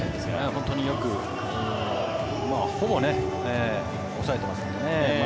本当によくほぼ抑えてますよね。